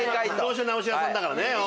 「車直し屋さん」だからね。